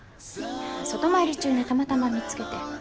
外回り中にたまたま見つけて。